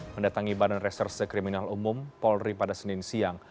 mendatangi badan reserse kriminal umum polri pada senin siang